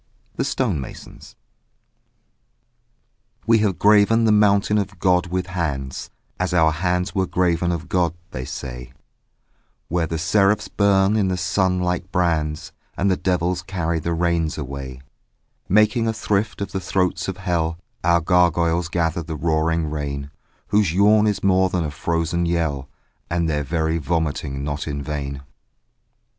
THE STONE MASONS We have graven the mountain of God with hands, As our hands were graven of God, they say, Where the seraphs burn in the sun like brands And the devils carry the rains away; Making a thrift of the throats of hell, Our gargoyles gather the roaring rain, Whose yawn is more than a frozen yell And their very vomiting not in vain.